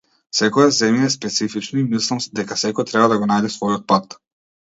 Секоја земја е специфична и мислам дека секој треба да го најде својот пат.